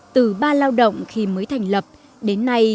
từ ba lao động khi mới thành lập đến nay